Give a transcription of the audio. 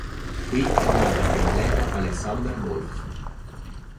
Qui è nato il biatleta Alexander Wolf.